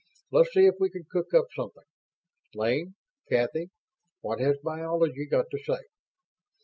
Let's see if we can cook up something. Lane Kathy what has Biology got to say?"